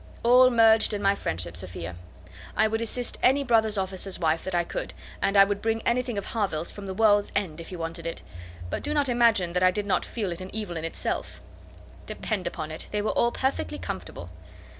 "All merged in my friendship, Sophia. I would assist any brother officer's wife that I could, and I would bring anything of Harville's from the world's end, if he wanted it. But do not imagine that I did not feel it an evil in itself." "Depend upon it, they were all perfectly comfortable."